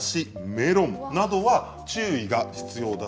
メロンなどは注意が必要だそうです。